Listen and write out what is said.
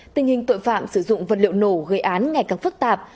tình hình tội phạm sử dụng vật liệu nổ gây án ngày càng phức tạp